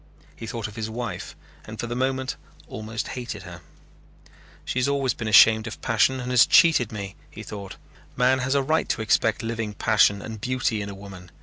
He thought of his wife and for the moment almost hated her. "She has always been ashamed of passion and has cheated me," he thought. "Man has a right to expect living passion and beauty in a woman.